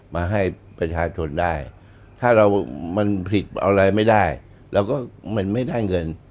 มาให้ประชาชนได้ถ้าเรามันผลิตอะไรไม่ได้เราก็มันไม่ได้เงิน